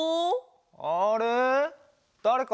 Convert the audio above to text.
あれ？